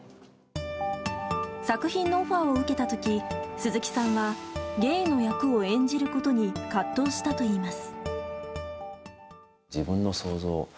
作品のオファーを受けた時鈴木さんはゲイの役を演じることに葛藤したといいます。